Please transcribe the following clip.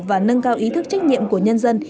và nâng cao ý thức trách nhiệm của nhân dân